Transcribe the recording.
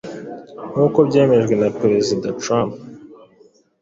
nk'uko byemejwe na perezida Trump.